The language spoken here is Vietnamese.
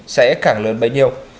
sẽ càng lớn bấy nhiêu